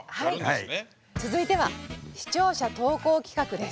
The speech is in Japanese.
続いては「視聴者投稿企画」です。